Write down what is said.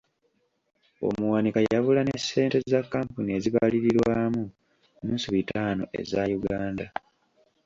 Omuwanika yabula ne ssente za kampuni ezibalirirwamu nnusu bitaano eza Uganda.